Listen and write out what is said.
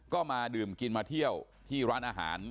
ก็มาดื่มกินมาเที่ยวที่ร้านอาหาร